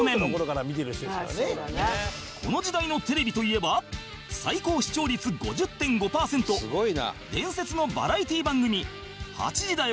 この時代のテレビといえば最高視聴率 ５０．５ パーセント伝説のバラエティ番組『８時だョ！